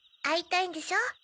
あいたいんでしょ？